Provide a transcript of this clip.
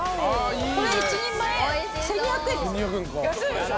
これ１人前１，２００円ですよ。